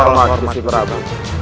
salam muqarmad gusti prapu